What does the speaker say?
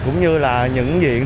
cũng như là những viện